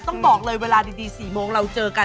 ต้องบอกเลยเวลาดี๔โมงเราเจอกัน